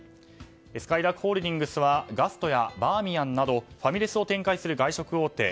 すかいらーくホールディングスはガストやバーミヤンなどファミレスを展開する外食大手。